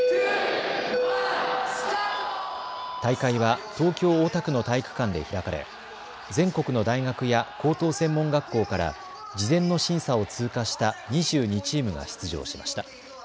大会は東京大田区の体育館で開かれ全国の大学や高等専門学校から事前の審査を通過した２２チームが出場しました。